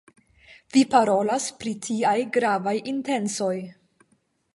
Vi parolas pri tiaj gravaj intencoj.